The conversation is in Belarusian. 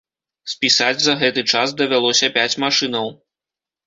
Спісаць за гэты час давялося пяць машынаў.